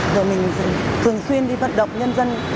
rồi mình thường xuyên đi vận động nhân dân